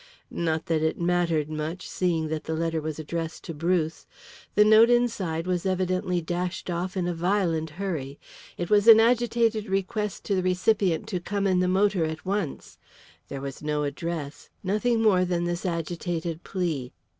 Not that it mattered much, seeing that the letter was addressed to Bruce. The note inside was evidently dashed off in a violent hurry. It was an agitated request to the recipient to come in the motor at once; there was no address, nothing more than this agitated plea.